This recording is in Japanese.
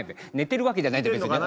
寝てるわけじゃないんだ。